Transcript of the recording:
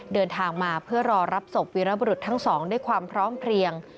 เดินทางมาเพื่อรอรับศพวีรบรุษทั้งสองด้วยความพร้อมเพลียง